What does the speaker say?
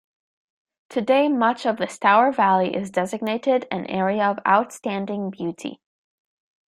Today much of the Stour valley is designated an Area of Outstanding Beauty.